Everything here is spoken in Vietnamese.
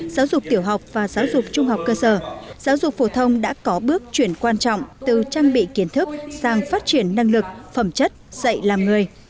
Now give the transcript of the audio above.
giáo dục tiểu học và giáo dục trung học cơ sở giáo dục phổ thông đã có bước chuyển quan trọng từ trang bị kiến thức sang phát triển năng lực phẩm chất dạy làm người